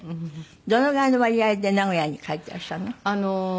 どのぐらいの割合で名古屋に帰ってらっしゃるの？